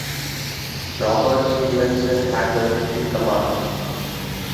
Robert Stevenson Haggart in command.